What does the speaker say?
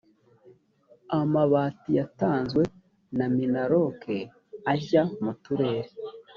amabati yatanzwe na minaloc ajya mu turere